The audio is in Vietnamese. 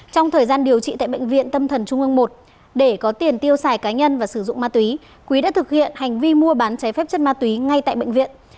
trong thời gian điều trị tại bệnh viện tâm thần trung ương một để có tiền tiêu xài cá nhân và sử dụng ma túy quý đã thực hiện hành vi mua bán cháy phép chất ma túy ngay tại bệnh viện